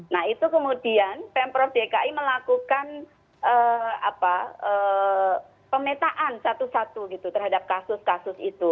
nah itu kemudian pemprov dki melakukan pemetaan satu satu gitu terhadap kasus kasus itu